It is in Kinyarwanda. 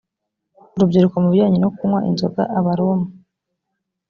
urubyiruko mu bijyanye no kunywa inzoga abaroma